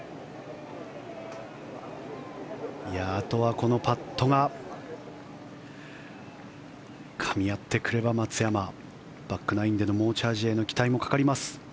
あとはこのパットがかみ合ってくれば、松山バックナインでの猛チャージへの期待もかかります。